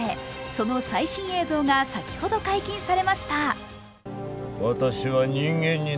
その最新映像が先ほど解禁されました。